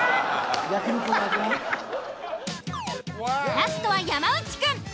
ラストは山内くん。